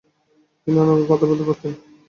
তিনি অনর্গল কথা বলতে পারতেন।